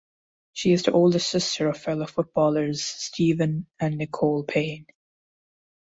She is the older sister of fellow footballers Stephen and Nicole Payne.